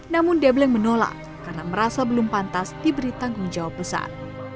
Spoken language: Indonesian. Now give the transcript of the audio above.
namun debleng menolak karena merasa belum pantas diberi tanggung jawab besar